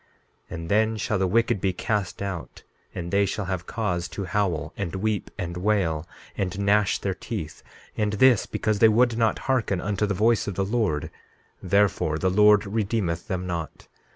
16:2 And then shall the wicked be cast out, and they shall have cause to howl, and weep, and wail, and gnash their teeth; and this because they would not hearken unto the voice of the Lord; therefore the Lord redeemeth them not.